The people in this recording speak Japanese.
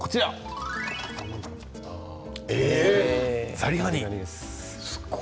ザリガニ。